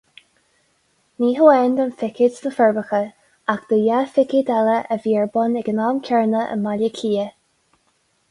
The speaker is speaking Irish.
Ní hamháin don phicéad sna Forbacha, ach do dhá phicéad eile a bhí ar bun ag an am céanna i mBaile Átha Cliath.